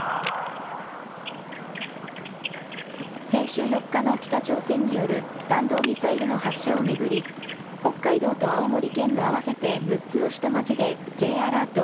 先週４日の北朝鮮による弾道ミサイルの発射を巡り北海道と青森県の合わせて６つの市と町でＪアラート